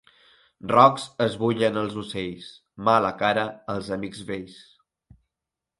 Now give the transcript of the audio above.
Rocs esbullen els ocells; mala cara, els amics vells.